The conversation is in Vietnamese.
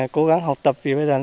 cố gắng học tập